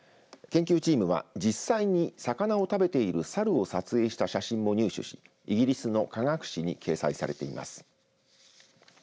研究チームは実際に魚を食べているサルを撮影した写真も入手しイギリスの科学誌に掲載されています。